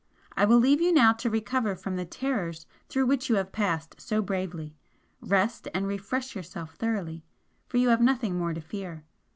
"I will leave you now to recover from the terrors through which you have passed so bravely; rest and refresh yourself thoroughly, for you have nothing more to fear.